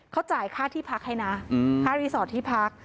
เขาจ่ายค่าที่พักให้นะค่ารีสอร์ทที่พัก